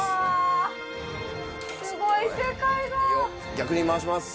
逆に回します。